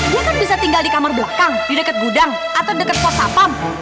dia kan bisa tinggal di kamar belakang di dekat gudang atau dekat kos apam